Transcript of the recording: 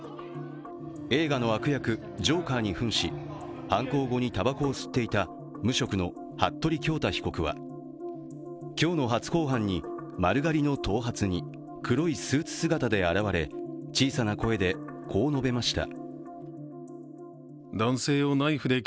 映画の悪役、ジョーカーにふんし犯行後にたばこを吸っていた無職の服部恭太被告は、今日の初公判に丸刈りの頭髪に黒いスーツ姿で現れ小さな声で、こう述べました。